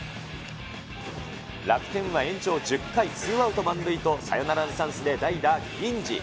楽天は延長１０回、２アウト満塁と、サヨナラのチャンスで代打、銀次。